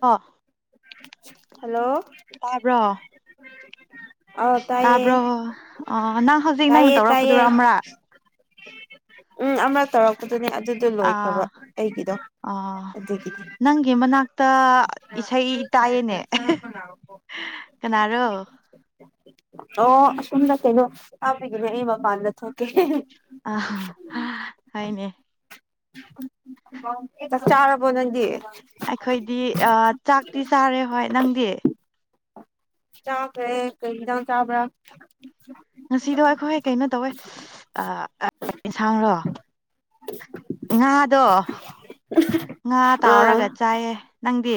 ꯑ꯫ ꯍꯜꯂꯣ꯫ ꯇꯥꯕ꯭ꯔꯣ꯫ ꯑꯥꯎ ꯇꯌꯦ ꯇꯥꯕ꯭ꯔꯣ ꯑ ꯅꯪ ꯍꯧꯖꯤꯛ ꯅꯪꯅ ꯇꯌꯦ ꯇꯌꯦ꯫ ꯇꯧꯔꯛꯄꯗꯨꯔ ꯑꯃꯔꯛ ꯎꯝ ꯑꯃ꯫ ꯇꯧꯔꯛꯄꯗꯨꯅꯦ ꯑꯗꯨꯗꯣ ꯂꯣꯏꯈ꯭ꯔꯕ ꯑꯥ ꯑꯩꯒꯤꯗꯣ ꯑꯗꯨꯒꯤꯗꯤ꯫ ꯇ ꯏꯁꯩ ꯇꯥꯏꯌꯦꯅꯦ ꯀꯅꯥꯔꯣ꯫ ꯑꯣ ꯑꯁꫭꯝꯗ ꯀꯩꯅꯣ ꯊꯕꯒꯤꯅ‌ꯦ ꯑꯩ ꯃꯄꯥꯟꯗ ꯊꯣꯛꯀꯦ꯫ ꯑ ꯍꫭꯏꯅꯦ꯫ ꯆꯥꯛ ꯆꯥꯔꯕꯣ ꯅꯪꯗꯤ꯫ ꯑꯈꯣꯏꯗꯤ ꯆꯥꯛꯇꯤ ꯆꯥꯔꯦ ꯍꯣꯏ ꯅꯪꯗꯤ꯫ ꯆꯥꯈ꯭ꯔꯦ ꯀꯔꯤ ꯏꯟꯁꯥꯡ ꯆꯥꯕ꯭ꯔ꯫ ꯉꯁꯤꯗꯣ ꯑꯈꯣꯏ ꯀꯩꯅꯣ ꯇꯧꯋꯦ ꯏꯟꯁꯥꯡꯔꯣ꯫ ꯉꯥꯗꯣ꯫ ꯉꯥ ꯑꯥ ꯇꯥꯎꯔꯒ ꯆꯥꯏꯌꯦ ꯅꯪꯗꯤ꯫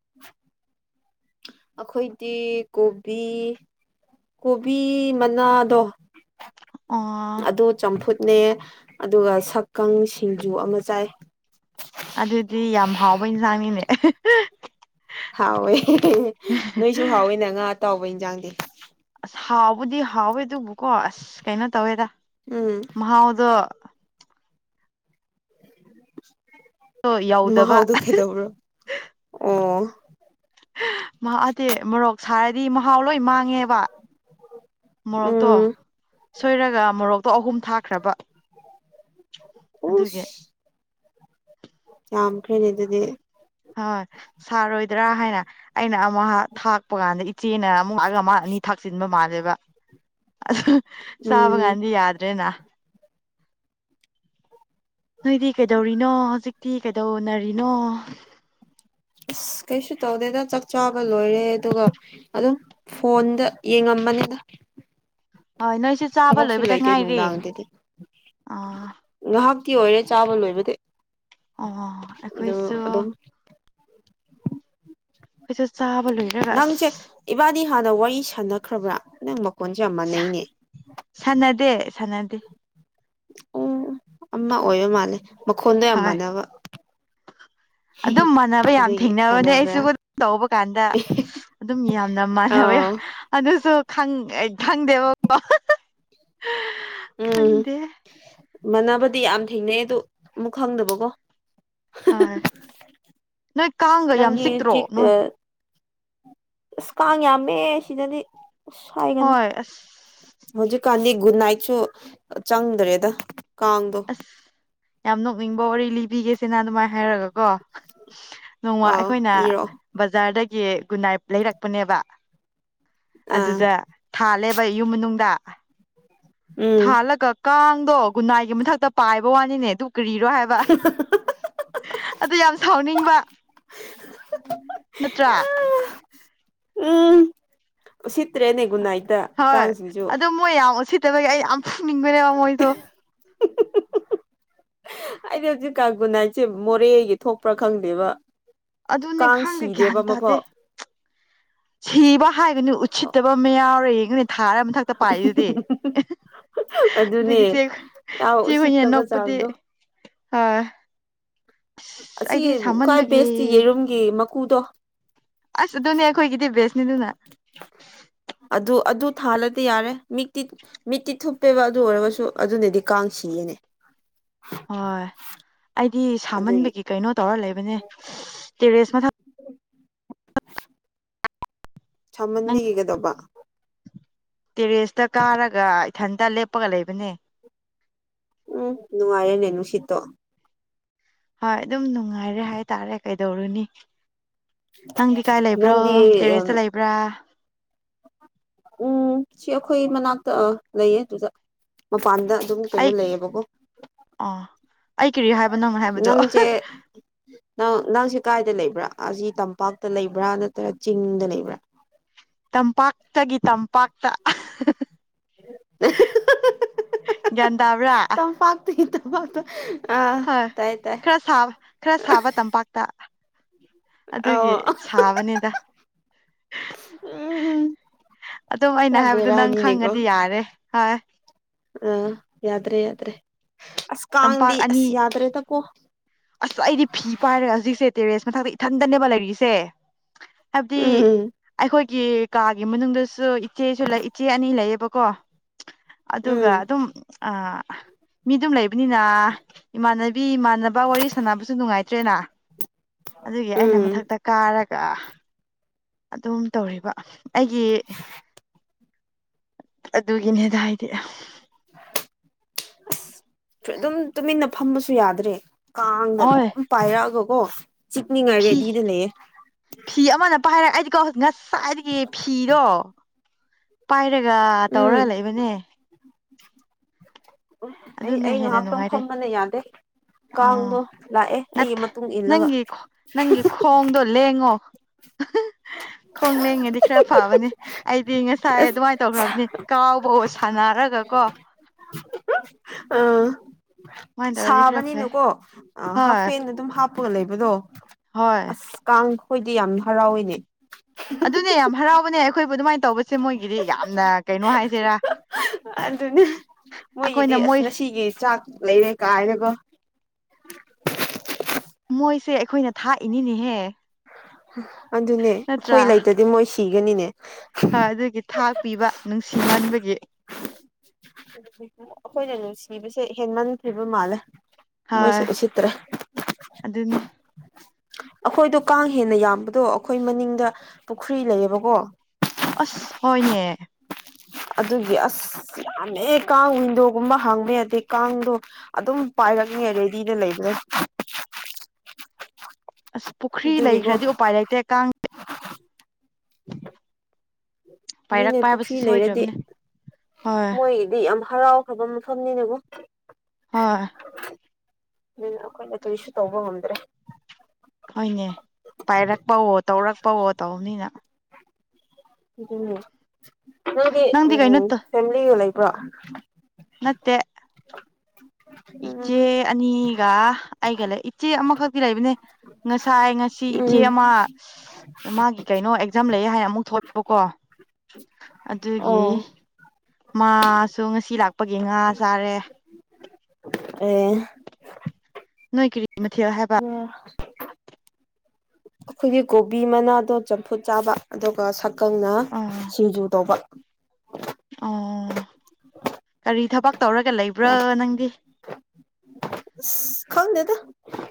꯫ [inaudible] ꯑꯈꯣꯏꯗꯤ ꯀꯣꯕꯤ꯫ ꯀꯣꯕꯤ ꯃꯅꯥꯗꯣ꯫ ꯑꯣ ꯑꯗꫭ ꯆꯝꯐꯨꯠꯅꯦ ꯑꯗꯨꯒ ꯁꯛꯀꯪ ꯁꯤꯡꯖꯨ ꯑꯃ ꯆꯥꯏ꯫ ꯑꯗꯨꯗꯤ ꯌꯥꯝ ꯍꯥꯎꯕ ꯏꯟꯁꯥꯡꯅꯤꯅꯦ꯫ ꯍꯥꯎꯋꯦ ꯅꯣꯏꯁꯨ ꯍꯥꯎꯋꯦ ꯅ ꯉꯥ ꯑꯇꯥꯎꯕ ꯏꯟꯖꯥꯡꯗꯤ꯫ ꯑꯁ ꯍꯥꯎꯕꯨꯗꯤ ꯍꯥꯎꯋꯦ ꯑꯗꯨꯕꯨꯀꯣ ꯑꯁ ꯀꯩꯅꯣ ꯇꯧꯋꯦꯗ ꯎꯝ ꯃꯍꯥꯎꯗꯣ꯫ ꯃꯥ ꯌꯧꯗꯕ ꯍꯥꯎꯗꯨ ꯀꯩꯗꯧꯕ꯭ꯔꯣ ꯑꯣ꯫ ꯃꯍꯥꯗꯤ ꯃꯣꯔꯣꯛ ꯁꯥꯔꯗꯤ ꯃꯍꯥꯎ ꯂꯣꯏ ꯃꯥꯡꯉꯦꯕ꯫ ꯃꯣꯔꯣꯛꯇꯣ ꯎꯝ ꯁꯣꯏꯔꯒ ꯃꯣꯔꯣꯛꯇꯣ ꯑꯍꯨꯝ ꯊꯥꯛꯈ꯭ꯔꯥꯕ꯫ ꯎꯁ ꯌꯥꯝꯈ꯭ꯔ‌ꯦꯅ‌ꯦ ꯑꯗꯨꯗꯤ꯫ ꯍꯣꯏ ꯁꯥꯔꯣꯏꯗ꯭ꯔꯥ ꯍꯥꯏꯅ ꯑꯩꯅ ꯑꯃ ꯊꯥꯛꯄ ꯀꯥꯟꯗ꯫ ꯆꯦꯅ ꯑꯃꯨꯛ ꯑꯒꯃꯥ ꯑꯅꯤ ꯊꯥꯛꯆꯤꯟꯕ ꯃꯥꯜꯂꯦꯕ ꯑꯗꯨꯒ꯫ ꯎꯝ ꯆꯥꯕꯒꯤꯟꯗꯤ ꯌꯥꯗ꯭ꯔꯦꯅ꯫ ꯅꯣꯏꯗꯤ ꯀꯩꯗꯧꯔꯤꯅꯣ ꯍꯧꯖꯤꯛꯇꯤ ꯀꯩꯗꯧꯅꯔꯤꯅꯣ꯫ ꯑꯁ ꯀꯩꯁꯨ ꯇꯧꯗꯦꯗ ꯆꯥꯛ ꯆꯥꯕ ꯂꯣꯏꯔꯦ ꯑꯗꯨꯒ ꯑꯗꯨꯝ ꯐꯣꯟꯗ ꯌꯦꯡꯉꯝ꯫ ꯃꯅꯤꯗ‌꯫ ꯍꯣꯏ ꯅꯣꯏꯁꯨ ꯆꯥꯕ ꯊꯕꯛꯁꯨ ꯂꯣꯏꯕꯗ ꯂꯩꯇꯦ ꯉꯥꯏꯔꯦ ꯅꯨꯡꯗꯥꯡꯗꯗꯤ ꯑꯥ ꯉꯥꯍꯥꯛ꯫ ꯇꯤ ꯑꯣꯏꯔꯦ ꯆꯥꯕ ꯂꯣꯏꯕꯗꯤ ꯑꯣ ꯑꯗꯨ ꯑꯩꯈꯣꯏꯁꯨ ꯑꯗꯨꯝ꯫ ꯑꯩꯈꯣꯏꯁꯨ ꯆꯥꯕ ꯂꯣꯏꯔꯒ ꯑꯁ ꯅꯪꯁꯦ ꯏꯕꯥꯅꯤ ꯍꯥꯟꯅ ꯋꯥꯔꯤ ꯁꯥꯟꯅꯈ꯭ꯔꯕ꯭ꯔꯥ ꯅꯪ꯫ ꯀꫭꯟꯁ‌ꯦ ꯌꯥꯝ ꯃꯥꯅꯩꯅ‌ꯦ꯫ ꯁꯥꯟꯅꯗꯦ ꯁꯥꯟꯅꯗꯦ꯫ ꯑꯣ ꯑꯃ ꯑꯣꯏꯕ ꯃꯥꯜꯂꯦ ꯃꯈꯣꯟꯗ ꯍꯣꯏ ꯌꯥꯝꯃꯅꯕ꯫ ꯑꯗꯨꯝ ꯃꯥꯟꯅꯕ ꯌꯥꯝ ꯊꯦꯡꯅꯕꯅꯦ ꯑꯩꯁꯨ ꯑꯗꯨꯝ ꯇꯧꯕ ꯀꯥꯟꯗ ꯑꯗꯨꯝ ꯌꯥꯝꯅ ꯃꯥꯟꯅꯕ꯫ ꯑꯥꯎ ꯑꯗꯨꯁꯨ꯫ ꯈꯪ ꯑꯩ ꯈꯪꯗꯦꯕꯀꫭ ꯎꯝ ꯈꯪꯗꯦ꯫ ꯃꯥꯟꯅꯕꯗꯤ ꯌꯥꯝ ꯊꯦꯡꯅꯩ ꯑꯗꯨ ꯑꯃꯨꯛ ꯈꯪꯗꯕꯀꯣ꯫ ꯍꯣꯏ ꯅꯣꯏ ꯀꯥꯡꯒ ꯌꯥꯝ ꯅꯪꯒꯤ ꯆꯤꯛꯇ꯭ꯔꯣ ꯆꯤꯛ ꯅꯣꯏ꯫ ꯑꯁ ꯀꯥꯡ ꯌꯥꯝꯃꯦ ꯁꯤꯗꯗꯤ ꯑꯁ ꯍꯥꯏꯒꯅꯨ ꯍꯣꯏ ꯑꯁ ꯍꯧꯖꯤꯛꯀꯥꯟꯗꯤ꯫ ꯒꯨꯠꯅꯥꯏꯠꯁꯨ ꯆꯪꯗ꯭ꯔꯦꯗ ꯀꯥꯡꯗꯣ꯫ ꯅꯤꯡꯕ ꯋꯥꯔꯤ ꯂꯤꯕꯤꯒꯦꯁ‌ꯦ ꯅꯪ ꯑꯗꯨꯃꯥꯏꯅ ꯍꯥꯏꯔꯒ꯫ ꯀꯣ ꯅꯣꯡꯃ ꯑꯥꯎ ꯑꯩꯈꯣꯏꯅ ꯂꯤꯔꯛꯑꯣ ꯕꯖꯥꯔꯗ꯫ ꯒꯤ ꯒꯨꯅꯥꯏ ꯂꯩꯔꯛꯄꯅꯦꯕ ꯑꯥ ꯑꯗꯨꯗ ꯊꯥꯜꯂꯦꯕ ꯏꯨꯝ ꯃꯅꯨꯡꯗ ꯎꯝ ꯊꯥꯜꯂꯒ ꯀꯥꯡꯗꯣ ꯒꯨꯅꯥꯏꯒꯤ ꯃꯊꯛꯇ ꯄꯥꯏꯕ ꯋꯥꯅꯤꯅꯦ ꯑꯗꯨ ꯀꯔꯤꯔꯣ ꯍꯥꯏꯕ ꯑꯗꯨ ꯌꯥꯝ ꯁꯥꯎꯅꯤꯡꯕ ꯅꯠꯇ꯭ꯔꯥ ꯎꯝ ꯆꯤꯠ꯭ꯔꯦ ꯅꯒꯨꯅꯥꯏ ꯍꯣꯏ ꯑꯗꯨ ꯃꯣꯏ ꯌꯥꯝ ꯁꯤꯠꯇꯕꯒꯤ ꯑꯩ ꯌꯥꯝ ꯐꯪꯅꯤꯡꯕꯅꯦꯕ ꯃꯣꯏꯗꯣ ꯑꯩꯗꯤ ꯍꯧꯖꯤꯛ ꯀꯥꯡꯒꯨꯟ ꯍꯥꯏꯁꯦ ꯃꯣꯔꯦꯒꯤ ꯊꯣꯛꯄ꯭ꯔꯥ ꯈꯪꯗꯦꯕ ꯑꯗꯨꯅꯦ ꯀꯥꯡ ꯈꯥꯡꯗꯦ ꯒ꯭ꯌꯥꯟ ꯁꯤꯗꯦꯕ ꯇꯥꯗꯦ ꯑꯃꯐꯥꯎ ꯁꯤꯕ ꯍꯥꯏꯕꯅꯤ ꯎꯠꯁꯤꯠꯇꯕ ꯑꯃ ꯌꯥꯎꯔꯦ ꯊꯥꯔ ꯃꯊꯛꯇ ꯄꯥꯏꯗꯨꯗꯤ ꯑꯗꯨꯅꯦ ꯑꯗꯒꯤ ꯆ ꯌꯥꯝ ꯆꯦꯛ ꯍ ꯌꯦ ꯎꯁꯤꯠꯇꯕ ꯅꯣꯛꯄꯗꯤ ꯆꯥꯡꯗꯣ ꯑ ꯑꯁ ꯑꯁꯤ ꯑꯩꯗꯤ ꯈ꯭ꯋꯥꯏ ꯁꯥꯃꯟꯕꯒꯤ ꯕꯦꯁꯇꯤ ꯌꯦꯔꯨꯝꯒꯤ ꯃꯀꯨꯗꯣ ꯑꯁ ꯑꯗꯨꯅꯦ ꯑꯩꯈꯣꯏꯒꯤꯗꯤ ꯕꯦꯁꯅꯦ ꯑꯗꯨꯅ ꯑꯗꯨ ꯑꯗꯨ ꯊꯥꯜꯂꯗꯤ ꯌꯥꯔꯦ ꯃꯤꯛꯇꯤ ꯃꯤꯛꯇꯤ ꯊꯨꯞꯄꯦꯕ ꯑꯗꯨ ꯑꯣꯏꯔꯒꯁꯨ ꯑꯗꯨꯅꯗꯤ ꯀꯥꯡ ꯁꯤꯌꯦꯅꯦ [inaudible] ꯍꯣꯏ ꯑꯩꯗꯤ ꯑꯗꯨꯒꯤ ꯁꯥꯃꯟꯕꯒꯤ ꯀꯩꯅꯣ ꯇꯧꯔ ꯂꯩꯕ ꯇ ꯔꯦꯁꯃ ꯊ [inaudible] ꯅꯪ ꯁꯃꯟꯗꯤꯈꯤꯒꯗꯧꯕ ꯇꯦꯔꯦꯁꯇ ꯀꯥꯔꯒ ꯏꯊꯟꯇ ꯂꯦꯞꯄꯒ ꯂꯩꯕꯅꯦ ꯎꯝ ꯅꯨꯡꯉꯥꯏꯔꯦꯅꯦ ꯅꯨꯡꯁꯤꯠꯇꯣ ꯍꯣꯏ ꯑꯗꯨꯝ ꯅꯨꯡꯉꯥꯏꯔꯦ ꯍꯥꯏꯇꯥꯔꯦ ꯀꯩꯗꯧꯔꯨꯅꯤ ꯅꯪꯗꯤ ꯀꯥꯏ ꯂꯩꯕ꯭ꯔꯣ ꯅꯪꯗꯤ ꯇꯦꯔꯦꯁꯇ ꯂꯩꯕ꯭ꯔꯥ ꯎꯝ ꯁꯤ ꯑꯩꯈꯣꯏ ꯃꯅꯥꯛꯇ ꯂꯩꯌꯦ ꯑꯗꯨꯗ ꯃꯄꯥꯟꯗ ꯑꯗꯨꯝ ꯀꯩꯅꯣ ꯑꯩ ꯂꯩꯌꯦꯕꯀꯣ ꯑ ꯑꯩ ꯀꯔꯤ ꯍꯥꯏꯕꯅꯣ ꯍꯥꯏꯕꯗꯣ ꯅꯪꯁꯦ ꯅꯪ ꯅꯪꯁꯦ ꯀꯥꯏꯗ ꯂꯩꯕ꯭ꯔꯥ ꯑꯁꯤ ꯇꯝꯄꯥꯛꯇ ꯂꯩꯕ꯭ꯔꯥ ꯅꯠꯇ꯭ꯔ ꯆꯤꯡꯗ ꯂꯩꯕ꯭ꯔꯥ ꯇꯝꯄꯥꯛꯇꯒꯤ ꯇꯝꯄꯥꯛꯇ ꯒ꯭ꯌꯥꯟ ꯇꯥꯕ꯭ꯔꯥ ꯄꯠꯇ ꯍ ꯈꯔ ꯁꯥꯕ ꯈꯔ ꯁꯥꯕ ꯇꯝꯄꯥꯛꯇ ꯑꯗꯨꯒꯤ ꯑꯧ ꯁꯥꯕꯅꯤꯗ ꯎꯝ ꯑꯗꯨꯝ ꯄꯨꯔꯥ ꯑꯩꯅ ꯍꯥꯏꯕꯗꯣ ꯅꯪ ꯈꯪꯉꯗꯤ ꯌꯥꯔꯦ꯫ ꯑ ꯌꯥꯗ꯭ꯔꯦ ꯌꯥꯗ꯭ꯔꯦ ꯑꯁ ꯇꯝꯄꯥꯛ ꯀꯥꯡꯗꯤ ꯑꯁ ꯑꯅꯤ ꯌꯥꯗ꯭ꯔꯦꯗꯀꯣ ꯑꯁ ꯑꯩꯗꯤ ꯐꯤ ꯄꯥꯏꯔꯒ ꯍꯧꯖꯤꯛꯁꯦ ꯇꯦꯔꯦꯁ ꯃꯊꯛꯇ ꯏꯊꯟꯗꯅꯦꯕ ꯂꯩꯔꯤꯁꯦ ꯍꯥꯏꯕꯗꯤ ꯎꯝ ꯑꯩꯈꯣꯏ ꯀꯥꯒꯤ ꯃꯅꯨꯡꯗꯁꯨ ꯏꯆꯦꯁꯨ ꯏꯆꯦ ꯑꯅꯤ ꯂꯩꯌꯦꯕꯀꯣ ꯎꯝ ꯑꯗꯨꯒ ꯑꯗꯨꯝ ꯃꯤ ꯑꯗꯨꯝ ꯂꯩꯕ ꯕꯅꯤꯅ ꯏꯃꯥꯟꯅꯕꯤ ꯏꯃꯥꯟꯅꯕ ꯋꯥꯔꯤ ꯁꯥꯟꯅꯕꯁꯨ ꯅꯨꯡꯉꯥꯏꯇ꯭ꯔꯦꯅ ꯑꯗꯨꯒꯤ ꯑꯩꯅ ꯎꯝ ꯃꯊꯛꯇ ꯀꯥꯔꯒ ꯑꯗꯨꯝ ꯇꯧꯔꯤꯕ ꯑꯩꯒꯤ ꯑꯗꯨ ꯏꯅꯦꯗ ꯍꯥꯏꯗ ꯑꯁ ꯑꯗꯨꯝ ꯇꯨꯃꯤꯟꯅ ꯐꯝꯕꯁꯨ ꯌꯥꯗ꯭ꯔꯦ ꯀꯥꯡꯗ ꯍꯣꯏ ꯂꯝ ꯄꯥꯏꯔꯛꯑꯒ ꯀꯣ ꯆꯤꯛꯅꯤꯉꯥꯏ ꯐꯤ ꯔꯦꯗꯤꯗ ꯂꯩꯌꯦ ꯐꯤ ꯑꯃꯅ ꯄꯥꯏ ꯍꯥꯏꯔꯛ ꯑꯩꯗꯤꯀꯣ ꯍꯧꯖꯤꯛ ꯉꯁꯥꯏꯗꯒꯤ ꯐꯤꯗꯣ ꯄꯥꯏꯔꯒ ꯎꯝ ꯇꯧꯔꯒ ꯂꯩꯕꯅꯦ ꯎ ꯑꯩ ꯑꯗꯨꯅ ꯑꯩ ꯍꯦꯟꯅ ꯉꯥꯏꯍꯥꯛꯇꯪ ꯅꯨꯡꯉꯥꯏꯔꯦ ꯐꯝꯕꯅ ꯌꯥꯗꯦ ꯑꯣ ꯀꯥꯡꯗꯣ ꯂꯥꯛꯑꯦ ꯑꯩꯒꯤ ꯅꯠꯇꯦ ꯃꯇꯨꯡ ꯏꯜꯂꯒ ꯅꯪꯒꯤ ꯅꯪꯒꯤ ꯈꯣꯡꯗꯣ ꯂꯦꯡꯉꯣ ꯈꯣꯡ ꯂꯦꯡꯉꯗꯤ ꯈꯔ ꯐꯕꯅꯦ ꯗꯤ ꯉꯁꯥꯏ ꯑꯁ ꯑꯗꯨꯃꯥꯏꯅ ꯇꯧꯅꯥꯕꯅꯦ ꯀꯥꯎꯕꯥ ꯑꯣꯏ ꯁꯥꯟꯅꯔꯒ ꯀꯣ ꯑꯥ ꯁꯨꯃꯥꯏꯅ ꯇꯧꯔꯗꯤ ꯈꯔ ꯐꯩ ꯁꯥꯕꯅꯤꯅꯀꯣ ꯍꯣꯏ ꯍꯥꯐꯦꯟ ꯑꯗꯨꯝ ꯍꯥꯞꯄꯒ ꯂꯩꯕꯗꯣ ꯍꯣꯏ ꯑꯁ ꯀꯥꯡꯈꯣꯏꯗꯤ ꯌꯥꯝ ꯍꯔꯥꯎꯋꯤꯅꯦ ꯑꯗꯨꯅꯦ ꯌꯥꯝ ꯍꯔꯥꯎꯕꯅꯦ ꯑꯩꯈꯣꯏꯕꯨ ꯑꯗꯨꯃꯥꯏꯅ ꯇꯧꯕꯁꯦ ꯃꯣꯏꯒꯤꯗꯤ ꯌꯥꯝꯅ ꯀꯩꯅꯣ ꯍꯥꯏꯁꯤꯔꯥ ꯑꯗꯨꯅꯦ ꯃꯣꯏꯒꯤꯗꯤ ꯑꯩꯈꯣꯏꯅ ꯑꯁ ꯃꯣꯏ ꯉꯁꯤꯒꯤ ꯆꯥꯛ ꯂꯩꯔꯦ ꯀꯥꯏꯅꯥꯒꯥ ꯗ ꯃꯣꯏꯁꯦ ꯑꯩꯈꯣꯏꯅ ꯊꯥꯛꯏꯅꯤꯅꯦꯍꯦ ꯑꯗꯨꯅꯦ ꯑꯩꯈꯣꯏ ꯅꯠꯇ꯭ꯔꯥ ꯂꯩꯇꯗꯤ ꯃꯣꯏ ꯁꯤꯒꯅꯤꯅꯦ ꯍꯣꯏ ꯑꯗꯨꯒꯤ ꯊꯥꯛꯄꯤꯕ ꯅꯨꯡꯁꯤꯃꯟꯕꯒꯤ ꯑꯩꯈꯣꯏꯅ ꯅꯨꯡꯁꯤꯕꯁꯦ ꯍꯦꯟꯃꯟꯈꯤꯕ ꯃꯥꯜꯂꯦ ꯃꯣꯏꯁꯦ ꯍꯣꯏ ꯎꯁꯤꯠꯇ꯭ꯔꯦ ꯑꯗꯨꯅꯦ ꯑꯩꯈꯣꯏꯗꯣ ꯀꯥꯡ ꯍꯦꯟꯅ ꯌꯥꯝꯕꯗꯣ ꯑꯩꯈꯣꯏ ꯃꯅꯤꯡꯗ ꯄꯨꯈ꯭ꯔꯤ ꯂꯩꯌꯦꯕꯀꯣ ꯑꯁ ꯍꯣꯏꯅꯦ ꯑꯗꯨꯒꯤ ꯑꯁ ꯌꯥꯝꯃꯦ ꯀꯥꯡ ꯋꯤꯟꯗꯣꯒꯨꯝꯕ ꯍꯥꯡꯕꯥ ꯌꯥꯗꯦ ꯀꯥꯡꯗꯣ ꯑꯗꯨꯝ ꯄꯥꯏ ꯍꯥꯏꯔꯛꯅꯤ ꯔꯦꯗꯤꯗ ꯂꯩꯒ꯭ꯔꯦ ꯑꯁ ꯄꯨꯈ꯭ꯔꯤ ꯑꯗꯨꯒꯤꯀꯣ ꯂꯩꯈ꯭ꯔꯗꯤ ꯎꯄꯥꯏ ꯂꯩꯇꯦ ꯀꯥꯡꯗꯤ ꯑꯗꯨꯏꯅꯦ ꯄꯥꯏꯔꯛꯄ ꯄꯨꯈ꯭ꯔꯤ ꯍꯥꯏꯕꯁꯤ ꯂꯩꯔꯗꯤ ꯁꯣꯏꯗ꯭ꯔꯕꯅꯦ ꯍꯣꯏ ꯃꯣꯏꯒꯤꯗꯤ ꯌꯥꯝ ꯍꯔꯥꯎꯈ꯭ꯔꯕ ꯃꯐꯝꯅꯤꯅꯦꯀꯣ ꯍꯣꯏ ꯑꯗꯨ ꯑꯩꯈꯣꯏꯅ ꯀꯩꯁꯨ ꯇꯧꯕ ꯉꯝꯗ꯭ꯔꯦ ꯍꯣꯏꯅꯦ ꯄꯥꯏꯔꯛꯄꯋꯣ ꯇꯧꯔꯛꯄꯋꯣ ꯇꯧꯕꯅꯤꯅ ꯎ ꯅꯪꯗꯤ ꯎꯝ ꯐꯦꯃꯤꯂꯤꯒ ꯂꯩꯕ꯭ꯔꯣ ꯅꯠꯇꯦ ꯏꯆꯦ ꯎꯝ ꯑꯅꯤꯒ ꯑꯩꯒ ꯂꯩ ꯏꯆꯦ ꯑꯃ ꯈꯛꯇꯤ ꯂꯩꯕꯅꯦ ꯉꯁꯥꯏ ꯉꯁꯤ ꯏꯆꯦ ꯎꯝ ꯑꯃ ꯃꯥꯒꯤ ꯀꯩꯅꯣ ꯑꯦꯛꯖꯥꯝ ꯂꯩꯌꯦ ꯍꯥꯏꯅ ꯑꯃꯨꯛ ꯊꯣꯛꯂꯥꯛꯄꯥꯀꯣ ꯑꯗꯨꯒꯤ ꯑꯣ ꯃꯥꯁꯨ ꯉꯁꯤ ꯂꯥꯛꯄꯒꯤ ꯉꯥ ꯆꯥꯔꯦ ꯑꯦ ꯅꯣꯏ ꯀꯥꯔꯤ ꯃꯊꯦꯜ ꯍꯥꯏꯕ ꯑꯩꯈꯣꯏꯒꯤ ꯀꯣꯕꯤ ꯃꯅꯥꯗꯣ ꯆꯝꯐꯨꯠ ꯆꯥꯕ ꯑꯗꯨꯒ ꯁꯥ ꯀꯪꯅ ꯑꯥ ꯁꯤꯡꯖꯨ ꯇꯧꯕ ꯑꯣ ꯀꯔꯤ ꯊꯕꯛ ꯇꯧꯔꯒ ꯂꯩꯕ꯭ꯔꯥ ꯅꯪꯗꯤ ꯈꯪ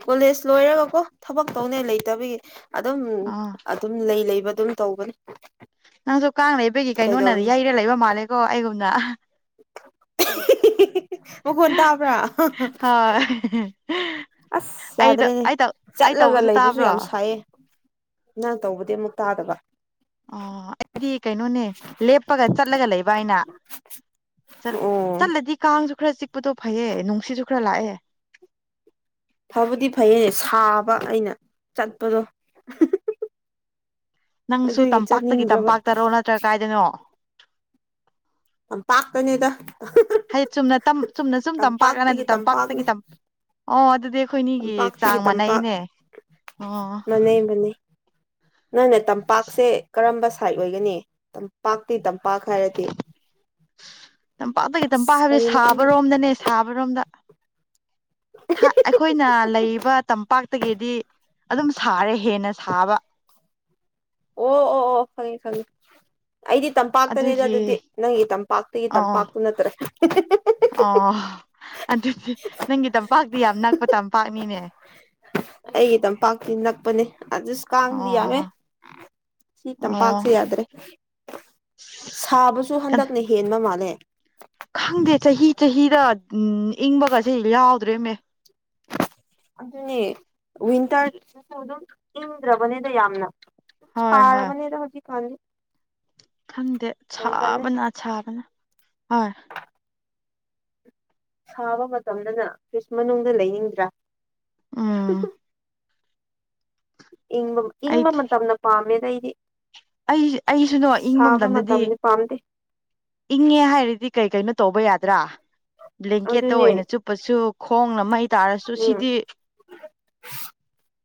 ꯀꯣꯂꯦꯖ ꯂꯣꯏꯔꯒ ꯀꯣ ꯊꯕꯛ ꯇꯧꯅꯤꯡꯉꯥꯏ ꯂꯩꯇꯕꯒꯤ ꯑꯗꯨꯝ ꯑꯥ ꯑꯗꯨꯝ ꯂꯩ ꯂꯩꯕ ꯑꯗꯨꯝ ꯇꯧꯕꯅꯦ ꯅꯪꯁꯨ ꯀꯥꯡ ꯂꯩꯕꯒꯤ ꯀꯩꯅꯣꯅꯗꯤ ꯀꯩꯗꯧꯅꯤ ꯌꯩꯔꯒꯥ ꯂꯩꯕ ꯃꯥꯜꯂꯦꯀꯣ ꯑꯩꯒꯨꯝꯅ ꯃꯈꯣꯟ ꯇꯥꯕ꯭ꯔꯥ ꯍꯣꯏ ꯑꯁ ꯑꯩꯗꯣ ꯌꯥꯗ꯭ꯔꯦꯅꯦ ꯑꯩ ꯑꯩ ꯆꯠꯂꯒ ꯇꯧꯕꯁꯨ ꯂꯩꯕꯁꯨ ꯇꯥꯕ꯭ꯔꯣ ꯌꯥꯝ ꯁꯥꯏꯌꯦ ꯅꯪ ꯇꯧꯕꯗꯤ ꯑꯃꯨꯛ ꯇꯥꯗꯕ ꯑꯣ ꯑꯩꯗꯤ ꯀꯩꯅꯣꯅꯦ ꯂꯦꯞꯄꯒ ꯆꯠꯂꯒ ꯂꯩꯕ ꯑꯩꯅ ꯑꯣ ꯆꯠꯂꯗꯤ ꯀꯥꯡꯁꯨ ꯈꯔ ꯆꯤꯛꯄꯗꯣ ꯐꯩꯌꯦ ꯅꯨꯡꯁꯤꯠꯁꯨ ꯈꯔ ꯂꯥꯛꯑꯦ ꯐꯕꯨꯗꯤ ꯐꯩꯌꯦ ꯁꯥꯕ ꯑꯩꯅ ꯆꯠꯄꯗꯣ ꯅꯪꯁꯨ ꯑꯗꯨꯒꯤ ꯇꯝꯄꯥꯛꯇꯒꯤ ꯆꯠꯅꯤꯡꯗ꯭ꯔꯕ ꯇꯝꯄꯥꯛꯇꯔꯣ ꯅꯠꯇ꯭ꯔꯒꯥ ꯀꯥꯏꯗꯅꯣ ꯇꯝꯄꯥꯛꯇꯥꯅꯤꯗꯥ ꯍꯩ ꯆꯨꯝꯅ ꯆꯨꯝꯅ ꯁꯨꯝ ꯇꯝꯄꯥꯛꯀꯅ ꯑꯗꯨ ꯇꯝꯄꯥꯛꯇꯒꯤ ꯇꯝꯄꯥꯛꯇꯒꯤ ꯇꯝꯄꯥꯛꯅꯦ ꯑꯣ ꯑꯗꯨꯗꯤ ꯑꯩꯈꯣꯏꯅꯤꯒꯤ ꯇꯝꯄꯥꯛꯇꯒꯤ ꯆꯥꯡ ꯇꯝꯄꯥꯛ ꯃꯥꯟꯅꯩꯅꯦ ꯑꯣ ꯅꯪ ꯅ ꯇꯝꯄꯥꯛꯁꯦ ꯀꯔꯝꯕ ꯁꯥꯏꯠ ꯑꯣꯏꯒꯅꯤ ꯇꯝꯄꯥꯛꯇꯤ ꯇꯝꯄꯥꯛ ꯍꯥꯏꯔꯗꯤ ꯇꯝꯄꯥꯛꯇꯒꯤ ꯑꯁ ꯇꯝꯄꯥꯛ ꯍꯥꯏꯕꯁ ꯀꯔꯤꯅꯣ ꯈꯪ ꯁꯥꯕꯔꯣꯝꯗꯅꯦ ꯁꯥꯕꯔꯣꯝꯗ ꯑꯩꯈꯣꯏꯅ ꯂꯩꯔꯤꯕ ꯇꯝꯄꯥꯛꯇꯒꯤꯗꯤ ꯑꯗꯨꯝ ꯁꯥꯔꯦ ꯍꯦꯟꯅ ꯁꯥꯕ ꯑꯣ ꯑꯣ ꯑꯣ ꯈꯪꯉꯦ ꯈꯪꯉꯦ ꯑꯩꯗꯤ ꯇꯝꯄꯥꯛꯇꯅꯦꯗ ꯑꯗꯨꯒꯤ ꯑꯗꯨꯗꯤ ꯅꯪꯒꯤ ꯑꯣ ꯇꯝꯄꯥꯛꯇꯒꯤ-ꯇꯝꯄꯥꯛꯇꯨ ꯅꯠꯇ꯭ꯔꯦ ꯑꯣ ꯑꯗꯨꯗꯤ ꯅꯪꯒꯤ ꯇꯝꯄꯥꯛꯇꯤ ꯌꯥꯝ ꯅꯛꯄ ꯇꯝꯄꯥꯛꯅꯤꯅꯦ ꯑꯩꯒꯤ ꯇꯝꯄꯥꯛꯇꯤ ꯅꯛꯄꯥꯅꯦ ꯑꯗꯨꯁ ꯀꯥꯡꯗꯤ ꯌꯥꯝꯃꯦ ꯑꯣ ꯁꯤ ꯑꯣ ꯇꯝꯄꯥꯛꯁꯦ ꯌꯥꯗ꯭ꯔꯦ ꯁꯥꯕꯖꯨ ꯍꯟꯗꯛꯅ ꯍꯦꯟꯕ ꯃꯥꯜꯂꯦ ꯈꯪꯗꯦ ꯆꯍꯤ-ꯆꯍꯤꯔꯥ ꯎꯝ ꯏꯪꯕꯒꯁꯦ ꯌꯥꯎꯗ꯭ꯔꯦꯃꯦ ꯑꯗꯨꯅꯦ ꯋꯤꯟꯇꯔ [unintelligible] ꯑꯗꯨꯝ ꯏꯪꯗ꯭ꯔꯕꯅꯤꯗ ꯌꯥꯝꯅ ꯍꯣꯏ ꯍꯣꯏ ꯇꯥꯔꯥꯕꯅꯦꯗ ꯍꯧꯖꯤꯛ ꯀꯥꯟꯗꯤ ꯈꯪꯗꯦ ꯇꯜꯂꯦ ꯁꯥꯥꯕꯅ ꯁꯥꯕꯅ ꯍꯥꯔ ꯁꯥꯕ ꯃꯇꯝꯗꯅ ꯐꯤꯖ ꯃꯅꯨꯡꯗ ꯂꯩꯅꯤꯡꯗ꯭ꯔꯥ ꯑꯥ ꯏꯪꯕ ꯏꯪꯕ ꯃꯇꯝꯅ ꯄꯥꯝꯃꯦꯗ ꯑꯩꯗꯤ ꯑꯩ-ꯑꯩꯁꯨꯅꯣ ꯏꯪꯕ ꯁꯥꯕ ꯃꯇꯝꯗꯗꯤ ꯃꯇꯝꯗꯤ ꯄꯥꯝꯗꯦ ꯏꯪꯉꯦ ꯍꯥꯏꯔꯗꯤ ꯀꯩ ꯀꯩꯅꯣ ꯇꯧꯕ ꯌꯥꯗ꯭ꯔꯥ ꯕ꯭ꯂꯦꯡꯀꯦꯠꯇ ꯑꯗꯨꯅꯦ ꯑꯣꯏꯅ ꯆꯨꯞꯄꯁꯨ ꯈꯣꯡꯅ ꯃꯩ ꯇꯥꯔꯁꯨ ꯎꯝ ꯁꯤꯗꯤ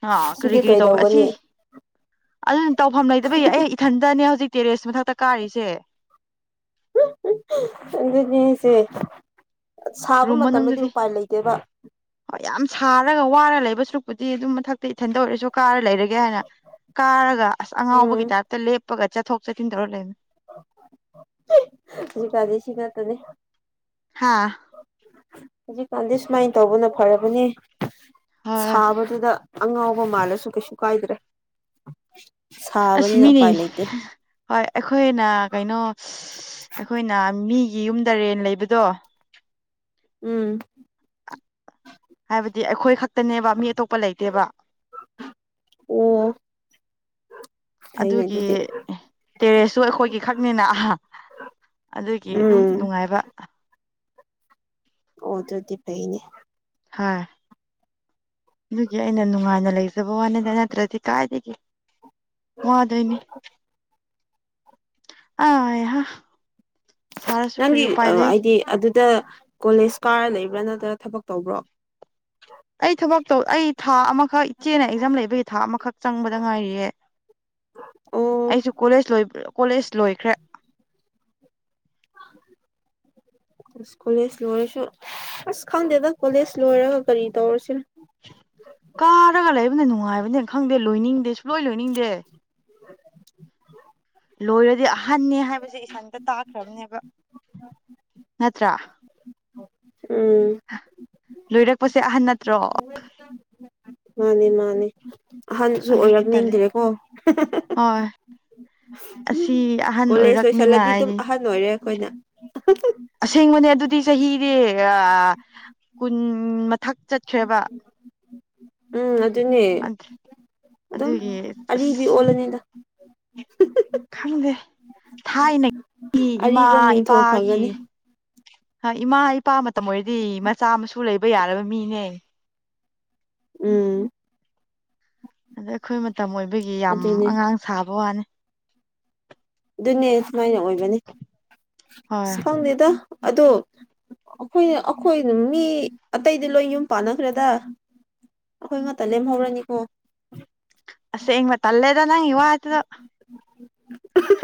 ꯍꯥꯥꯍ ꯁꯤꯗꯤ ꯀꯔꯤ-ꯀꯔꯤ ꯇꯧꯕ꯭ꯔꯥ ꯑꯁꯤ ꯀꯩꯗꯧꯒꯅꯤ ꯑꯗꯨꯅ ꯇꯧꯐꯝ ꯂꯩꯇꯕꯩ ꯑꯩ ꯏꯊꯟꯇꯥꯅꯦ ꯍꯧꯖꯤꯛ ꯇꯦꯔꯦꯁ ꯃꯊꯛꯇ ꯀꯥꯔꯤꯁꯦ ꯑꯗꯨꯗꯤꯁꯦ ꯔꯨꯝ ꯃꯅꯨꯡꯗꯗꯤ ꯀꯥꯌꯥꯝ ꯁꯥꯔꯒ ꯋꯥꯅꯥ ꯂꯩꯕꯁꯨ ꯑꯇꯨꯛꯄꯨꯗꯤ ꯑꯗꯨꯝ ꯃꯊꯛꯇ ꯏꯊꯟ ꯇꯧꯔꯛꯁꯨ ꯀꯥꯔ ꯂꯩꯔꯒꯦ ꯍꯥꯏꯅ ꯀꯥꯔꯒ ꯑꯁ ꯑꯉꯥꯎꯕꯒꯤ ꯎꯝ ꯇꯥꯏꯞꯇ ꯂꯦꯞ ꯄꯥꯒꯥ ꯆꯠꯊꯣꯛ-ꯆꯠꯁꯤꯟ ꯇꯔꯒꯥ ꯂꯩ ꯍꯧꯖꯤꯛ ꯀꯥꯟꯗꯤ ꯁꯤꯉꯥꯇꯅꯦ ꯍꯥꯥ ꯍꯧꯖꯤꯛꯀꯥꯟꯗꯤ ꯁꯨꯃꯥꯏꯅ ꯇꯧꯕꯅ ꯐꯥꯕꯅꯦ ꯍꯣꯏ ꯁꯥꯕꯗꯨꯗ ꯑꯉꯥꯎꯕ ꯃꯥꯜꯂꯁꯨ ꯀꯩꯁꯨ ꯀꯥꯏꯗ꯭ꯔꯦ ꯑꯁ ꯁꯥꯕꯅꯤꯅ ꯃꯤꯅꯦ ꯎꯄꯥꯏ ꯂꯩꯇꯦ ꯍꯣꯏ ꯑꯩꯈꯣꯏꯅ ꯀꯩꯅꯣ ꯁꯤꯁ ꯑꯈꯣꯏꯅ ꯃꯤꯒꯤ ꯌꯨꯝꯗ ꯔꯦꯟ ꯂꯩꯕꯗꯣ ꯎꯝ ꯍꯥꯏꯕꯗꯤ ꯑꯩꯈꯣꯏ ꯈꯛꯇꯅꯦꯕ ꯃꯤ ꯑꯇꯣꯞꯄ ꯂꯩꯇꯦꯕ [inaudible] ꯐꯩꯅꯦ ꯑꯗꯨꯒꯤ ꯑꯗꯨꯗꯤ ꯇꯦꯔꯦꯁꯁꯨ ꯑꯩꯈꯣꯏꯒꯤ ꯈꯛꯅꯤꯅ ꯑꯍꯥ ꯑꯗꯨꯒꯤ ꯑꯗꯨꯝ ꯎꯝ ꯅꯨꯡꯉꯥꯏꯕ꯫ ꯑꯣ ꯗꯨꯗꯤ ꯐꯩꯅꯦ꯫ ꯍꯥꯥ ꯑꯗꯨꯒꯤ ꯑꯩꯅ ꯅꯨꯡꯉꯥꯏꯅ ꯂꯩꯖꯕ ꯋꯥꯅꯤꯗ ꯅꯠꯇ꯭ꯔꯗꯤ ꯀꯥꯏꯗꯒꯤ ꯋꯥꯗꯨꯏꯅꯤ ꯑꯥꯏ ꯍꯥ ꯅꯪꯒꯤ ꯑꯥ ꯑꯥꯏꯗꯤ ꯑꯗꯨꯗ ꯀꯣꯂꯦꯖ ꯀꯥꯔꯥ ꯂꯩꯕ꯭ꯔꯥ ꯅꯠꯇ꯭ꯔꯒ ꯊꯕꯛ ꯇꯧꯕ꯭ꯔꯣ? ꯑꯩ ꯊꯕꯛ ꯇꯧ ꯑꯩ ꯊꯥ ꯑꯃꯈꯛ ꯏꯆꯦꯅ ꯑꯦꯛꯖꯥꯝ ꯂꯩꯕꯒꯤ ꯊꯥ ꯑꯃꯈꯛ ꯆꯪꯕꯗ ꯉꯥꯏꯔꯤꯌꯦ꯫ ꯑꯣ ꯑꯩꯁꯨ ꯀꯣꯂꯦꯖ ꯀꯣꯂꯦꯖ ꯂꯣꯏꯈ꯭ꯔꯦ [inaudible] ꯀꯣꯂꯦꯖ ꯂꯣꯏꯔꯁꯨ ꯑꯁ ꯈꯪꯗꯦꯗ ꯀꯣꯂꯦꯖ ꯂꯣꯏꯔꯒ ꯀꯔꯤ ꯇꯧꯔꯥꯁꯤꯔꯅꯣ ꯀꯥꯔꯒ ꯂꯩꯕꯅ ꯅꯨꯡꯉꯥꯏꯕꯅꯦ ꯈꯪꯗꯦ ꯂꯣꯏꯅꯤꯡꯗꯦ ꯁꯨꯛꯂꯣꯏ ꯂꯣꯏꯅꯤꯡꯗꯦ [inaudible] [unintelligible] ꯂꯣꯏꯔꯗꯤ ꯑꯍꯟꯅꯦ ꯍꯥꯏꯕꯁꯦ ꯏꯊꯟꯇ ꯇꯥꯈ꯭ꯔꯥꯕꯅꯦꯕ꯫ ꯅꯠꯇ꯭ꯔꯥ ꯎꯝ ꯂꯣꯏꯔꯛꯄꯁꯦ ꯑꯍꯟ ꯅꯠꯇ꯭ꯔꯣ ꯃꯥꯅꯦ-ꯃꯥꯅꯦ ꯑꯍꯟꯖꯨ ꯑꯗꯨꯒꯤ ꯇꯜꯂꯤ ꯑꯣꯏꯔꯛꯅꯤꯡꯗ꯭ꯔꯦꯀꯣ ꯍꯥ ꯍꯥ ꯐꯤ ꯑꯍꯟ ꯀꯣꯂꯦꯖ ꯂꯣꯏꯁꯜꯂꯗꯤ ꯑꯗꯨꯝ ꯑꯣꯏꯔꯛꯅꯤꯉꯥꯏꯒꯤ ꯑꯍꯟ ꯑꯣꯏꯔꯦ ꯑꯩꯈꯣꯏꯅ ꯑꯁꯦꯡꯕꯅꯦ ꯑꯗꯨ ꯗꯤ ꯆꯍꯤꯗꯤ ꯌꯥ ꯀꯨꯟ ꯃꯊꯛ ꯆꯠꯈ꯭ꯔꯦꯕ꯫ ꯎꯝ ꯑꯗꯨꯅꯦ ꯗꯨꯝ ꯑꯗꯨꯒꯤ ꯑꯔꯤꯕꯤ ꯑꯁ ꯑꯣꯜꯂꯅꯤꯗ꯫ ꯈꯪꯗꯦ ꯊꯥꯏꯅꯒꯤ ꯏꯃꯥ ꯑꯔꯤꯕ ꯃꯤꯡꯊꯣꯜ ꯏꯄꯥꯒꯤ ꯐꯪꯒꯅꯤ ꯍꯥ ꯏꯃꯥ ꯏꯄꯥ ꯃꯇꯝ ꯑꯣꯏꯔꯗꯤ ꯃꯆꯥ ꯃꯁꯨ ꯂꯩꯕ ꯌꯥꯔꯕ ꯃꯤꯅꯦ꯫ ꯎꯝ ꯑꯗ ꯑꯈꯣꯏ ꯃꯇꯝ ꯑꯣꯏꯕꯒꯤ ꯌꯥꯝ ꯑꯗꯨꯅꯦ ꯑꯉꯥꯡ ꯁꯥꯕ ꯋꯥꯅꯦ꯫ ꯗꯨꯅꯦ ꯁꯨꯃꯥꯏꯅ ꯑꯣꯏꯕꯅꯤ ꯍꯣꯏ ꯏꯁ ꯈꯪꯗꯦꯗ ꯑꯗꯣ ꯑꯈꯣꯏ ꯑꯈꯣꯏ ꯃꯤ ꯑꯇꯩꯗꯤ ꯂꯣꯏ ꯌꯨꯝ ꯄꯥꯟꯅꯈ꯭ꯔꯦꯗ꯫ ꯑꯈꯣꯏ ꯉꯠꯇ ꯂꯦꯝꯍꯧꯔꯅꯤꯀꯣ꯫ ꯑꯁꯦꯡꯕ ꯇꯜꯂꯦꯗ ꯅꯪꯒꯤ ꯋꯥꯗꯨꯗꯣ꯫ [unintelligible]